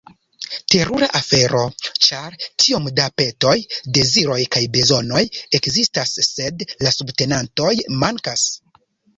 Terura afero, ĉar tiom da petoj, deziroj kaj bezonoj ekzistas, sed la subtenantoj mankas.